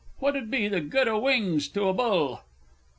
What 'ud be the good o' wings to a bull?